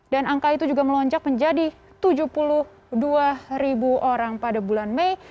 dan angka itu juga melonjak menjadi tujuh puluh dua ribu orang pada bulan mei